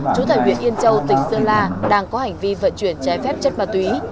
chú tại huyện yên châu tỉnh sơn la đang có hành vi vận chuyển trái phép chân ma túy